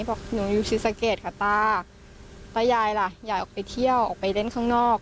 บอกหนูอยู่ศรีสะเกดค่ะตาตายายล่ะยายออกไปเที่ยวออกไปเล่นข้างนอก